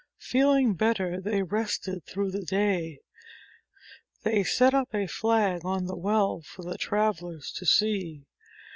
Feeling better, they rested through the day. They set up a flag on the well for travelers to see.